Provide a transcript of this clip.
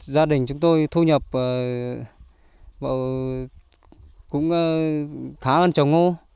gia đình chúng tôi thu nhập cũng khá hơn trồng ngô